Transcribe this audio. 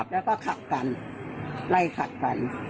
แล้วก็ขับกันไล่ขัดกัน